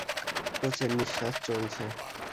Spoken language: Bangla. কোচের নিশ্বাস চলছে।